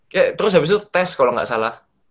kayak terus abis itu tes kalau gak salah